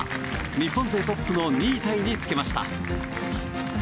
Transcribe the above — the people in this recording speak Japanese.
日本勢トップの２位タイにつけました。